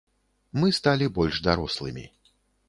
Мы сталі больш дарослымі.